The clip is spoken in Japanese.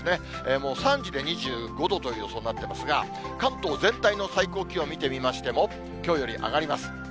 もう３時で２５度という予想になっていますが、関東全体の最高気温見てみましても、きょうより上がります。